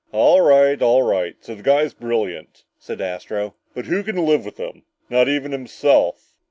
"All right, all right, so the guy is brilliant," said Astro. "But who can live with him? Not even himself!"